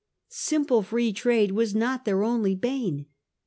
Simple free trade was not their only bane.